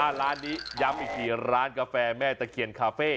อ่าร้านนี้ยังมีกี่ร้านกาแฟแม่ตะเคียนคาเฟ่